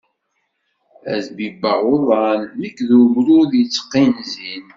Ad bibbeɣ uḍan nekk d ugrud yetqinẓin.